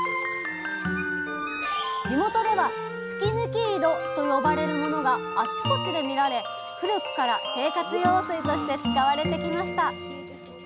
地元では突抜き井戸と呼ばれるものがあちこちで見られ古くから生活用水として使われてきました